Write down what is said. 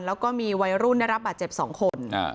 แล้วก็มีวัยรุ่นได้รับบาดเจ็บ๒คน